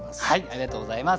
ありがとうございます。